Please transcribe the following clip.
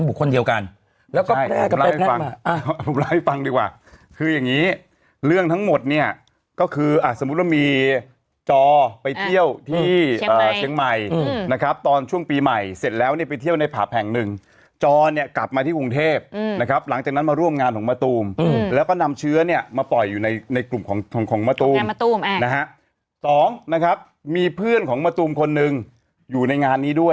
เล่าให้ฟังเล่าให้ฟังดีกว่าคืออย่างนี้เรื่องทั้งหมดเนี่ยก็คือสมมุติว่ามีจอไปเที่ยวที่เชียงใหม่นะครับตอนช่วงปีใหม่เสร็จแล้วเนี่ยไปเที่ยวในผับแห่งหนึ่งจอเนี่ยกลับมาที่กรุงเทพนะครับหลังจากนั้นมาร่วมงานของมะตูมแล้วก็นำเชื้อเนี่ยมาปล่อยอยู่ในกลุ่มของของมะตูมมะตูมนะฮะสองนะครับมีเพื่อนของมะตูมคนหนึ่งอยู่ในงานนี้ด้วย